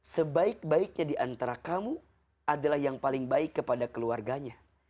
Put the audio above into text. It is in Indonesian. sebaik baiknya diantara kamu adalah yang paling baik kepada keluarganya